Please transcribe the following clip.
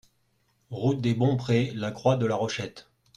Route des Bons Prés, La Croix-de-la-Rochette